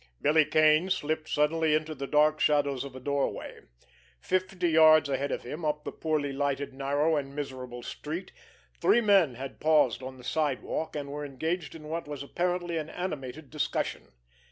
Billy Kane slipped suddenly into the dark shadows of a doorway. Fifty yards ahead of him, up the poorly lighted, narrow and miserable street, three men had paused on the sidewalk, and were engaged in what was apparently an animated discussion.